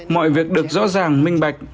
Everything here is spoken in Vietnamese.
mọi việc được rõ ràng minh bạch